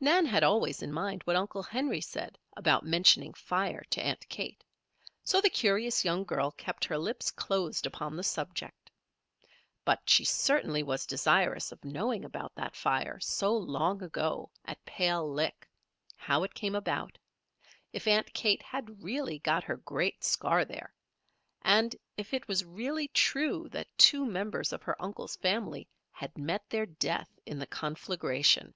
Nan had always in mind what Uncle Henry said about mentioning fire to Aunt Kate; so the curious young girl kept her lips closed upon the subject. But she certainly was desirous of knowing about that fire, so long ago, at Pale Lick, how it came about; if Aunt Kate had really got her great scar there; and if it was really true that two members of her uncle's family had met their death in the conflagration.